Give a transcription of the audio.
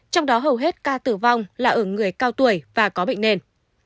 trong đó hầu hết ca tử vong là ở người cao tuổi và có bệnh nền